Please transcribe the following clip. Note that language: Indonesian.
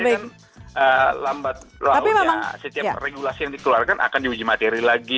akhirnya kan lambat launya setiap regulasi yang dikeluarkan akan di uji material lagi